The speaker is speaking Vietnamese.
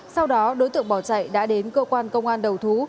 sau đó đối tượng bỏ chạy đã đến cơ quan công an đầu thú